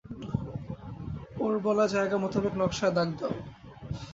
ওর বলা জায়গা মোতাবেক নকশায় দাগ দাও।